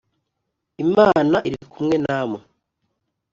imana iri kumwe namwe